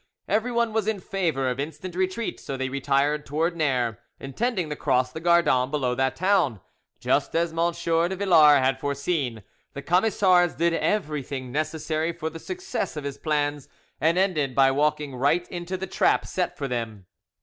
Everyone was in favour of instant retreat, so they retired towards Ners, intending to cross the Gardon below that town: just as M. de Villars had foreseen, the Camisards did everything necessary for the success of his plans, and ended by walking right into the trap set for them.